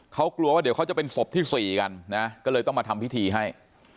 เขากลัวว่าเดี๋ยวเขาจะเป็นศพที่๔กันนะก็เลยต้องมาทำพิธีให้